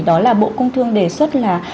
đó là bộ công thương đề xuất là